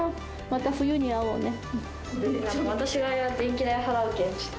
また冬に会おうね。